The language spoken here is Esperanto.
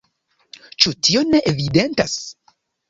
Ĉu tio ne evidentas?